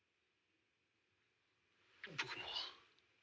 僕も。